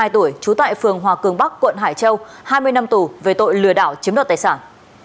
hai mươi tuổi trú tại phường hòa cường bắc quận hải châu hai mươi năm tù về tội lừa đảo chiếm đoạt tài sản